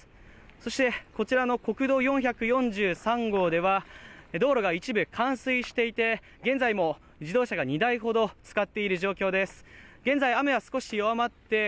そしてこちらの国道４４３号では、道路が一部冠水していて、現在も自動車が２台ほど浸かっている状況です。